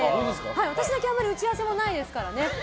私だけあまり打ち合わせないですからね。